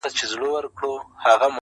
باز له ليري را غوټه له شنه آسمان سو٫